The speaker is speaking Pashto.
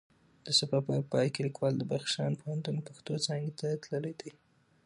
د سفر په پای کې لیکوال د بدخشان پوهنتون پښتو څانګی ته تللی دی